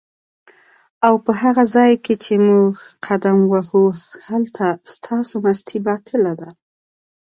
اوپه هغه ځای کی چی موږ قدم وهو هلته ستاسو مستی باطیله ده